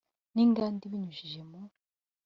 n inganda ibinyujije mu